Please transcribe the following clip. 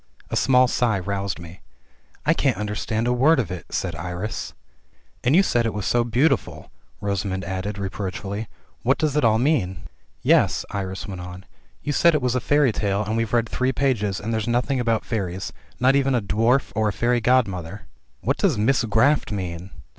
A small sigh roused me — "I can't understand a word of it," said Iris. "And you said it was so beautiful," Rosamund added, reproach fully. "What does it all mean?" "Yes," Iris went on, "you said it was a fairy tale, and we've read three pages, and there's nothing about fairies, not even a dwarf, or a fairy god mother." "And what does 'misgraffed' mean?"